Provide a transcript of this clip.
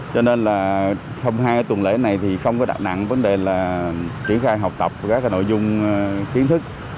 cho nên là thông hai tuần lễ này thì không có đạo nặng vấn đề là triển khai học tập các nội dung kiến thức